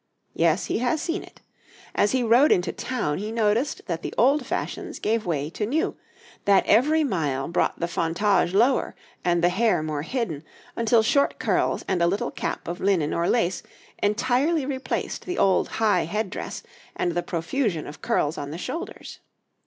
Yes, he has seen it. As he rode into town he noticed that the old fashions gave way to new, that every mile brought the fontage lower and the hair more hidden, until short curls and a little cap of linen or lace entirely replaced the old high head dress and the profusion of curls on the shoulders.